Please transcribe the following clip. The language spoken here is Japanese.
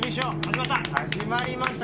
始まりました。